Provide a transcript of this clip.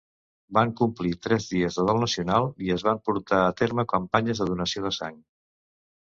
Van complir tres dies de dol nacional, i es van portar a terme campanyes de donació de sang.